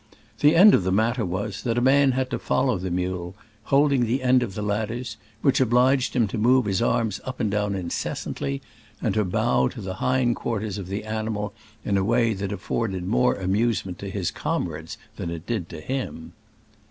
The end of the matter was, that a man had to follow the mule, holding the end of the lad ders, which obliged him to move his arms up and down incessantly, and to bow to the hind quarters of the animal in a way that afforded more amusement to his comrades than it did to him.